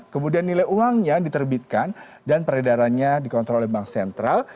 kemudian nilai uangnya diterbitkan dan peredarannya dikontrol oleh bank sentral